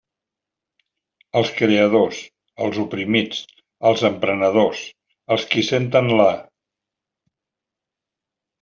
Els creadors, els oprimits, els emprenedors, els qui senten la.